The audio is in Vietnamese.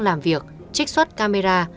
làm việc trích xuất camera